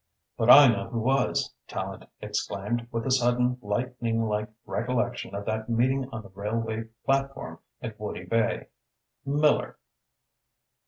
"But I know who was," Tallente exclaimed, with a sudden lightning like recollection of that meeting on the railway platform at Woody Bay. "Miller!"